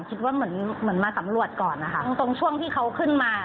คิดว่าเหมือนเหมือนมาสำรวจก่อนนะคะตรงช่วงที่เขาขึ้นมา